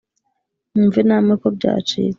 mwumve namwe ko byacitse